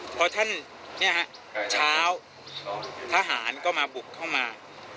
พอท่านเช้าทหารก็มาบุกเข้ามา